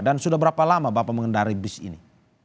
dan sudah berapa lama bapak mengendarai bus ini